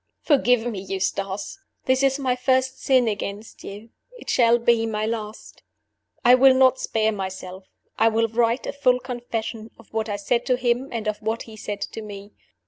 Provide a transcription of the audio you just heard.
"Forgive me, Eustace! This is my first sin against you. It shall be my last. "I will not spare myself; I will write a full confession of what I said to him and of what he said to me.